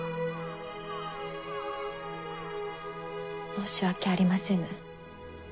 申し訳ありませぬ。